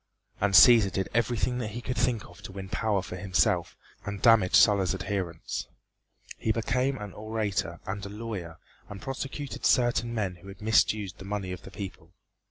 And Cæsar did everything that he could think of to win power for himself and damage Sulla's adherents. He became an orator and a lawyer and prosecuted certain men who had misused the money of the people.